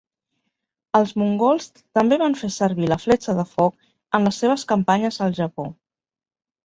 Els mongols també van fer servir la fletxa de foc en les seves campanyes al Japó.